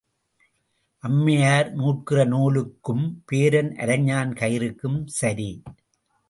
அம்மையார் நூற்கிற நூலுக்கும் பேரன் அரைஞாண் கயிற்றுக்கும் சரி.